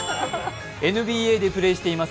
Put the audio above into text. ＮＢＡでプレーしています